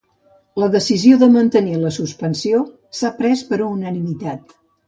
La decisió de mantenir la suspensió s’ha pres per unanimitat.